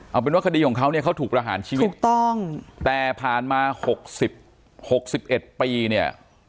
เอาเป็นว่าคดีของเขาเนี้ยเขาถูกประหารชีวิตถูกต้องแต่ผ่านมาหกสิบหกสิบเอ็ดปีเนี้ย